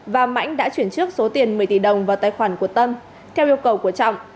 và mãnh đã chuyển trước số tiền một mươi tỷ đồng vào tài khoản của tâm theo yêu cầu của trọng